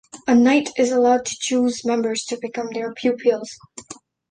A Knight is allowed to choose members to become their pupils.